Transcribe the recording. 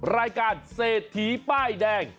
รายการเศรษฐีป้ายแดง